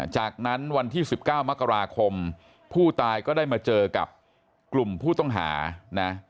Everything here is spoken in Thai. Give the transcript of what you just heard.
จากนั้นวันที่๑๙มกราคมผู้ตายก็ได้มาเจอกับกลุ่มผู้ต้องหานะ